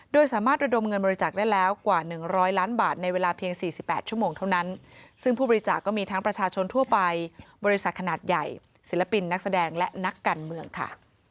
โดยสามารถระดมเงินบริจาคได้แล้วกว่า๑๐๐ล้านบาทในเวลาเพียง๔๘ชั่วโมงเท่านั้นซึ่งผู้บริจาคก็มีทั้งประชาชนทั่วไปบริษัทขนาดใหญ่ศิลปินนักแสดงและนักการเมืองค่ะ